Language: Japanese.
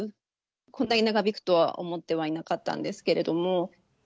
こんなに長引くとは思ってはいなかったんですけれども。